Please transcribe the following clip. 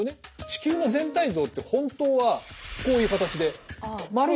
地球の全体像って本当はこういう形で丸いですよね。